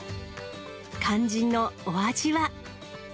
肝心のお味は。